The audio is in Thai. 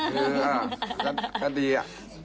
คือก็ดีอ่ะ